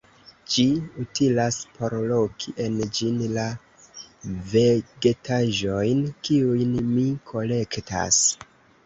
Ĝi utilas por loki en ĝin la vegetaĵojn, kiujn mi kolektas.